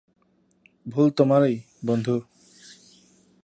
ভুল তোমারই, বন্ধু।